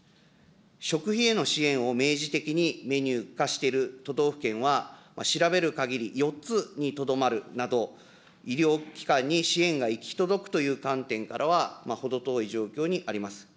食費への支援を明示的にメニュー化している都道府県は、調べるかぎり、４つにとどまるなど、医療機関に支援が行き届くという観点からは、程遠い状況にあります。